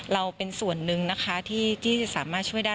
เราเป็นส่วนหนึ่งนะคะที่จะสามารถช่วยได้